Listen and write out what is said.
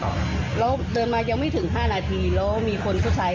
เราเดินมายังไม่ถึง๕นาทีแล้วมีคนสุดท้าย๔คน